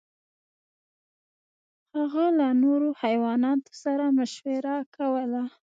هغه له نورو حیواناتو سره مشوره کوله.